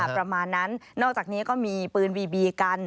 ประมาณนั้นนอกจากนี้ก็มีปืนบีบีกัน